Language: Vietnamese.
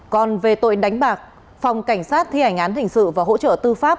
còn về tội đánh bạc phòng cảnh sát thi hành án hình sự và hỗ trợ tư pháp